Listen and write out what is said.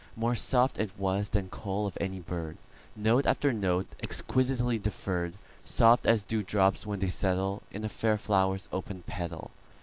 More soft it was than call of any bird, Note after note, exquisitely deferr'd, Soft as dew drops when they settleIn a fair flower's open petal.